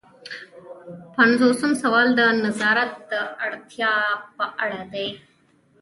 پنځوسم سوال د نظارت د اړتیا په اړه دی.